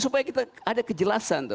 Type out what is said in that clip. supaya kita ada kejelasan